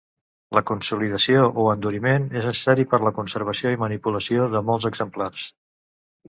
La consolidació o enduriment és necessari per a la conservació i manipulació de molts exemplars.